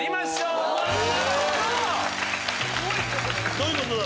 どういうことだ？